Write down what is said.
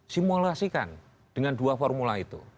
simulasikan dengan dua formula itu